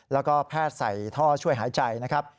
แล้วก็แพทย์ใส่ท่อช่วยหายใจนะครับ